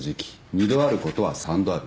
二度あることは三度ある。